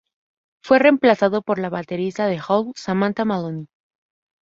Fue reemplazado por la baterista de Hole, Samantha Maloney.